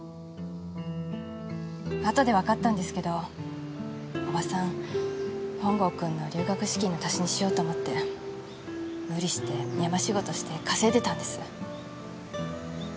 後でわかったんですけどおばさん本郷くんの留学資金の足しにしようと思って無理して山仕事して稼いでいたんです。